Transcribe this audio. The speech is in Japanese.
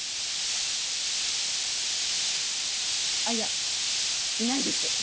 あっいやいないです